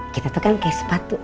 kita tuh kan kayak sepatu